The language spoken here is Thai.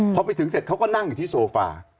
พอไปถึงเสร็จเขาก็นั่งอยู่ที่โซฟา